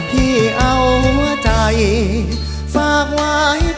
พี่เอาหัวใจฝากไว้เพื่อ